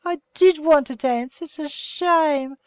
I did want to dance! It's a sh shame!